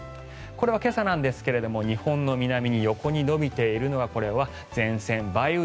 これは今朝なんですが日本の南に横に延びているのはこれは前線梅雨